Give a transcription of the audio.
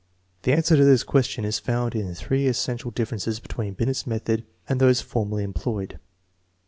The answer to this ques tion is found in three essential differences between Billet's method and those formerly employed.